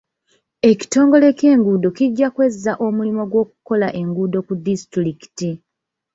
Ekitongole ky'enguudo kijja kwezza omulimu gw'okukola enguudo ku disitulikiti.